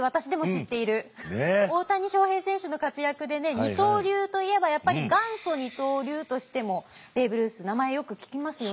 大谷翔平選手の活躍でね二刀流といえばやっぱり元祖二刀流としてもベーブ・ルース名前よく聞きますよね。